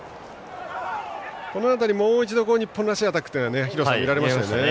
この辺り、もう一度日本らしいアタックが廣瀬さん、見られましたね。